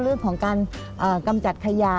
เรื่องของการกำจัดขยะ